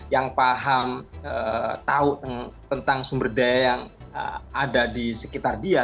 yang paham tahu tentang sumber daya yang ada di sekitar dia